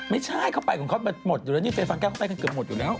ไม่ใช่เขาไปของเขาหมดอยู่แล้วนี่เฟฟาแก้วเขาไปกันเกือบหมดอยู่แล้ว